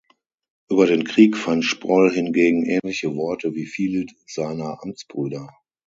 Über den Krieg fand Sproll hingegen ähnliche Worte wie viele seiner Amtsbrüder.